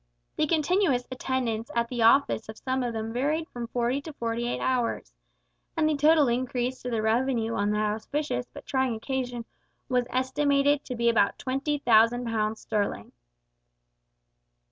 The continuous attendance at the office of some of them varied from forty to forty eight hours, and the total increase to the revenue on that auspicious but trying occasion was estimated to be about twenty thousand pounds sterling!